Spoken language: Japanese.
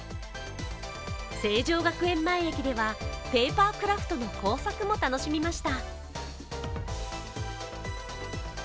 成城学園前駅ではペーパークラフトの工作も楽しみました。